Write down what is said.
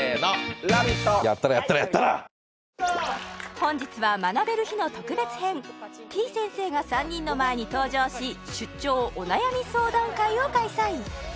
本日は学べる日の特別編てぃ先生が３人の前に登場し出張お悩み相談会を開催